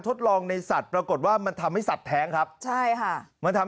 ทดลองในสัตว์ปรากฏว่ามันทำให้สัตว์แท้งครับใช่ค่ะมันทำ